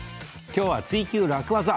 今日は「ツイＱ楽ワザ」